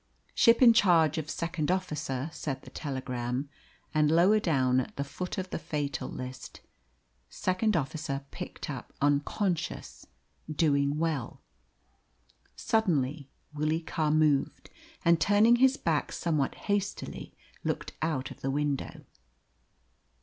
"Ship in charge of second officer," said the telegram. And lower down, at the foot of the fatal list: "Second officer picked up unconscious. Doing well." Suddenly Willie Carr moved, and, turning his back somewhat hastily, looked out of the window.